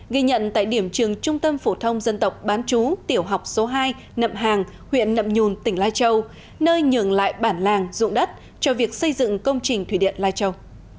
ghi nhận tại điểm trường trung tâm phổ thông dân tộc bán chú tiểu học số hai nậm hàng huyện nậm nhùn tỉnh lai châu nơi nhường lại bản làng dụng đất cho việc xây dựng công trình thủy điện lai châu